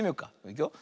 いくよ。